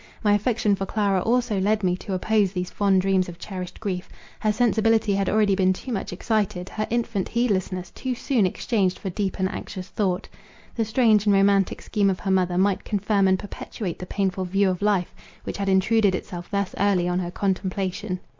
My affection for Clara also led me to oppose these fond dreams of cherished grief; her sensibility had already been too much excited; her infant heedlessness too soon exchanged for deep and anxious thought. The strange and romantic scheme of her mother, might confirm and perpetuate the painful view of life, which had intruded itself thus early on her contemplation.